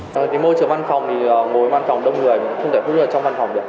trong môi trường văn phòng thì mỗi văn phòng đông người cũng không thể hút được trong văn phòng được